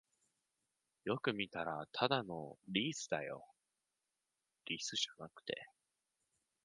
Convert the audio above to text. よく見たらただのリースだよ